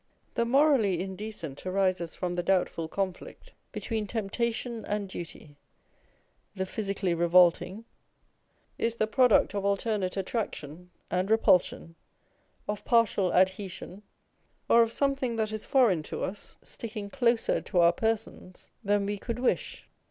The morally indecent arises from the doubtful conflict between temptation and duty : the physi cally revolting is the product of alternate attraction and repulsion, of partial adhesion, or of something that is foreign to us sticking closer to our persons than we could wish.